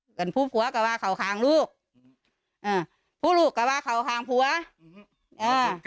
เหมือนผู้ผัวก็ว่าเขาคางลูกอ่าผู้ลูกก็ว่าเขาหางผัวอืม